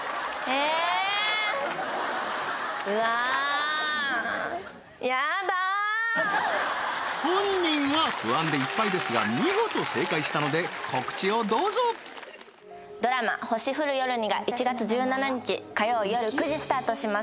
うわ本人は不安でいっぱいですが見事正解したので告知をどうぞドラマ星降る夜にが１月１７日火曜よる９時スタートします